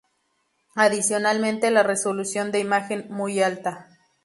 Adicionalmente la resolución de imagen muy alta.